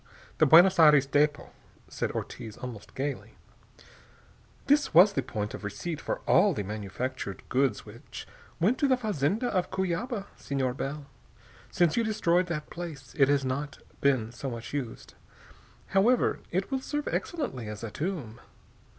"The Buenos Aires depot," said Ortiz almost gaily. "This was the point of receipt for all the manufactured goods which went to the fazenda of Cuyaba, Senor Bell. Since you destroyed that place, it has not been so much used. However, it will serve excellently as a tomb.